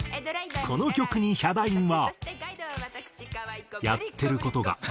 この曲にヒャダインは。